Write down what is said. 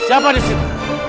siapa di situ